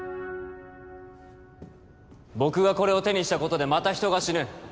僕がこれを手にしたことでまた人が死ぬ